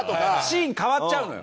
シーン変わっちゃうのよ。